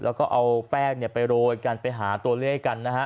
แล้วก็เอาแป้งเนี่ยไปโรยกันไปหาตัวเลขกันนะฮะ